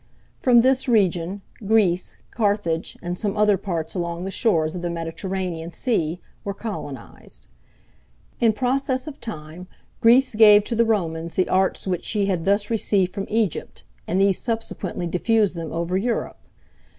From this region, Greece, Carthage, and some other parts along the shores of the Mediterranean Sea, were colonized. In process of time, Greece gave to the Romans the arts which she had thus received from Egypt, and these subsequently diffused them over Europe.